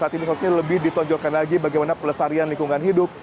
saat ini khususnya lebih ditonjolkan lagi bagaimana pelestarian lingkungan hidup